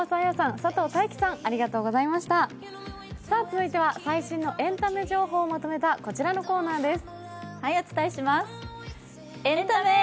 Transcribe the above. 続いては最新のエンタメ情報をまとめたこちらのコーナーです。